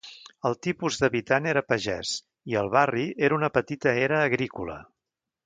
El tipus d'habitant era pagès i el barri era una petita era agrícola.